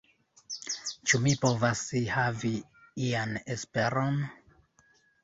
Ĉu mi povas havi ian esperon?